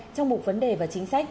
trong mục vấn đề và chính sách